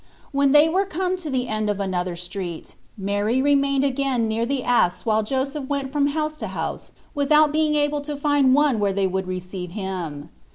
When they were come to the end of another street Mary remained again near the ass while Joseph went from house to house without being able to find one where they would receive him.